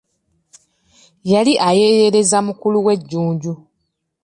Yali ayeeyereza mukulu we Jjunju.